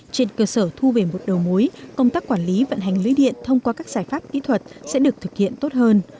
trên cơ sở thu về một đầu mối công tác quản lý vận hành lưới điện thông qua các giải pháp kỹ thuật sẽ được thực hiện tốt hơn